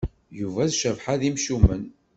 Yuba d Cabḥa d imcumen.